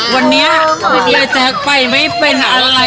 วันนี้อาจารย์แจ๊คไปไม่เป็นอะไรทำงานไม่ท้าย